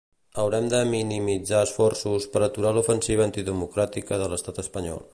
Haurem de minimitzar esforços per aturar l'ofensiva antidemocràtica de l'estat espanyol.